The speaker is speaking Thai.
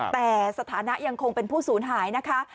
แต่สถานะยังคงเป็นผู้สูญหายนะคะ